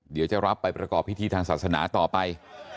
เดี๋ยวจะรับไปประกอบพิธีทางศาสนาต่อไป